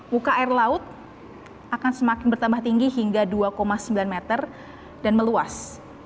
muka air laut akan semakin bertambah tinggi hingga dua sembilan meter dan meluas